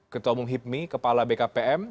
ketua umum hipmi kepala bkpm